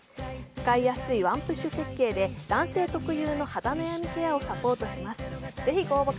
使いやすいワンプッシュ設計で男性特有の肌悩みケアをサポートします。